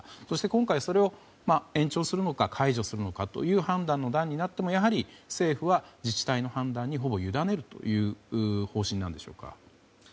そして今回、延長するのか解除するのかという判断の段になっても政府は自治体の判断にほぼ委ねるという方針なんでしょうか。